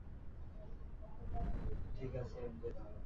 আর জঙ্গলের মাঝখানে গোসল করার জায়গাটা পাবোটা কোথায়?